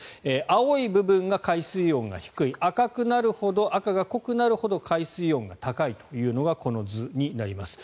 青い部分が海水温が低い赤くなるほど赤が濃くなるほど海水温が高いというのがこの図になります。